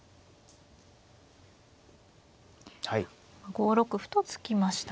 ５六歩と突きましたね。